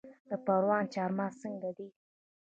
د پروان چارمغز څنګه دي؟